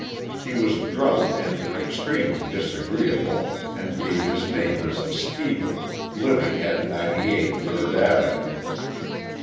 He was drunk and extremely disagreeable, and gave his name as "Steigel," living at 98 Third avenue.